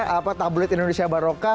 apa tabloid indonesia baroka